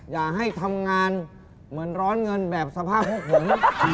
อย่าให้ทำงานเหมือนร้อนเงินแบบสภาพพวกผม